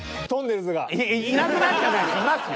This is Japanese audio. いますよ。